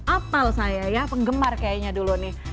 apal saya ya penggemar kayaknya dulu nih